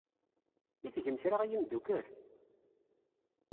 I tgem kra a imeddukal?